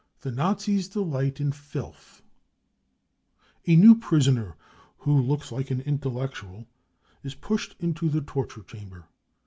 The Nazis delight in Filth. A new prisoner, who looks like an intellectual, is pushed into the torture chamber.